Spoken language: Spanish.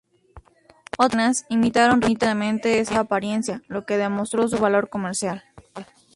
Otras cadenas, imitaron rápidamente esa apariencia, lo que demostró su valor comercial.